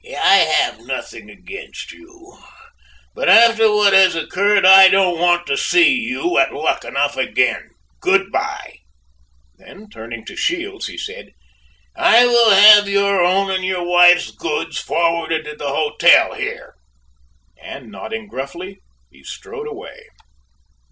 "I have nothing against you; but after what has occurred, I don't want to see you at Luckenough again. Good by!" Then, turning to Shields, he said, "I will have your own and your wife's goods forwarded to the hotel, here," and nodding gruffly, he strode away.